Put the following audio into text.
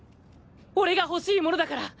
俺が欲しいものだから！